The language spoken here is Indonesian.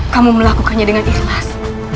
kamu melakukannya dengan ikhlas